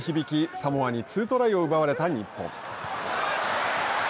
サモアに２トライを奪われた日本。